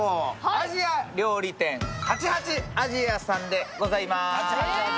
アジア料理店、８８Ａｓｉａさんでございます。